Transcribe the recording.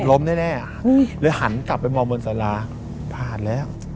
ล้มแน่เลยหันกลับไปมองบนสาราผ่านแล้ว